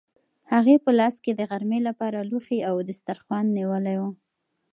هغې په لاس کې د غرمې لپاره لوښي او دسترخوان نیولي وو.